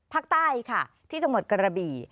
ภาคใต้ค่ะที่จังหวัดกระบี่